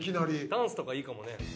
ダンスとかいいかもね。